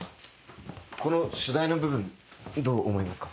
この主題の部分どう思いますか？